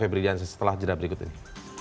briljansi setelah jeda berikut ini